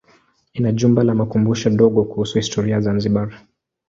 Ina jumba la makumbusho dogo kuhusu historia ya Zanzibar.